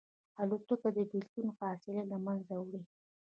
الوتکه د بېلتون فاصله له منځه وړي.